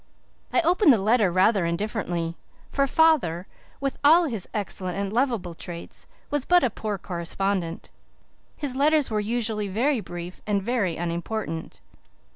I opened the letter rather indifferently, for father, with all his excellent and lovable traits, was but a poor correspondent; his letters were usually very brief and very unimportant.